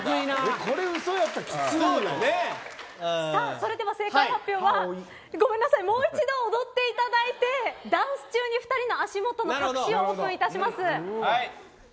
それでは正解発表はごめんなさいもう一度踊っていただいてダンス中に２人の足元の隠しをオープンいたします。